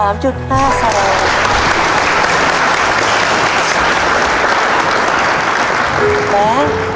แม่